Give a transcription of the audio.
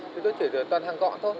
thì tôi chỉ rời toàn hàng gọn thôi